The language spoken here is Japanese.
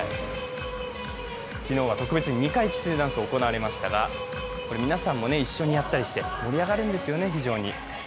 昨日は特別に２回、きつねダンスが行われましたがこれ皆さんも一緒にやったりして盛り上がるんですよね、非常に。